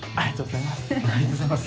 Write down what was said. ありがとうございます。